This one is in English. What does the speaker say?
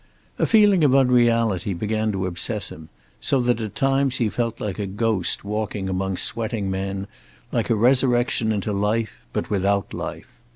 A feeling of unreality began to obsess him, so that at times he felt like a ghost walking among sweating men, like a resurrection into life, but without life.